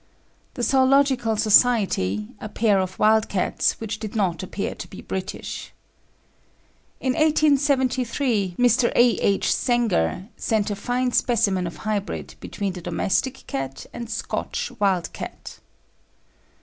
The Zoological Society, a pair of wild cats which did not appear to be British. In 1873, Mr. A. H. Senger sent a fine specimen of hybrid, between the domestic cat and Scotch wild cat.